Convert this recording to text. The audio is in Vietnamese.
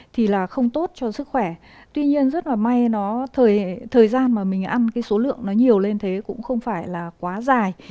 thì là không tốt cho sức khỏe tuy nhiên rất là may nó thời gian mà mình ăn cái số lượng nó nhiều lên thế cũng không phải là quá dài